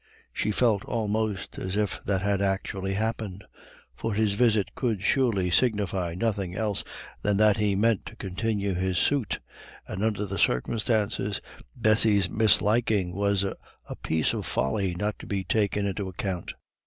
She felt almost as if that had actually happened. For his visit could surely signify nothing else than that he meant to continue his suit; and under the circumstances, Bessy's misliking was a piece of folly not to be taken into account.